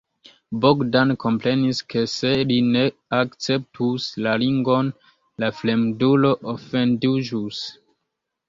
Bogdan komprenis, ke se li ne akceptus la ringon, la fremdulo ofendiĝus.